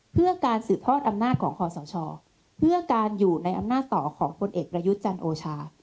เพื่อการสืบทอดอำนาจของคอสชเพื่อการอยู่ในอำนาจต่อของพลเอกประยุทธ์จันทร์โอชา